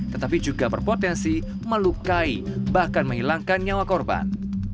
tetapi juga berpotensi melukai bahkan menghilangkan nyawa korban